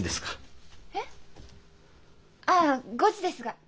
えっ？ああ５時ですが。